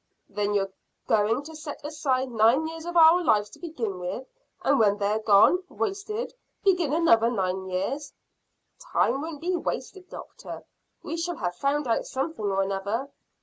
"Then you are going to set aside nine years of our lives to begin with, and when they are gone wasted begin another nine years?" "Time won't be wasted, doctor; we shall have found out something or another."